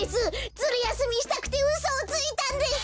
ズルやすみしたくてうそをついたんです！